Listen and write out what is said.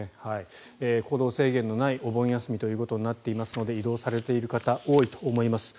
行動制限のないお盆休みということになっていますので移動されている方多いと思います。